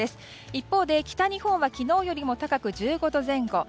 一方で北日本は昨日より高く１５度前後。